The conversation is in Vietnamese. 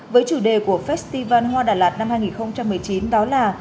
với chủ đề của festival hoa đà lạt năm hai nghìn một mươi chín đó là